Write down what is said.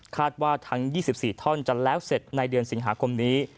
ว่าทั้ง๒๔ท่อนจะแล้วเสร็จในเดือนสิงหาคมนี้